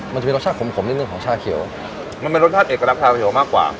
มันจะมีรสชาติขมขมนิดนึงของชาเขียวมันเป็นรสชาติเอกลักษาเขียวมากกว่า